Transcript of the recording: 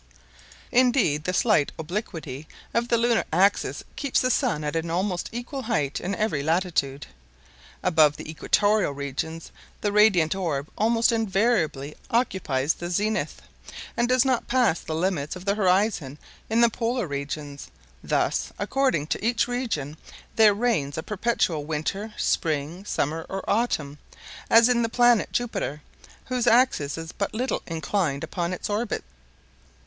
Indeed, the slight obliquity of the lunar axis keeps the sun at an almost equal height in every latitude. Above the equatorial regions the radiant orb almost invariably occupies the zenith, and does not pass the limits of the horizon in the polar regions; thus, according to each region, there reigns a perpetual winter, spring, summer, or autumn, as in the planet Jupiter, whose axis is but little inclined upon its orbit.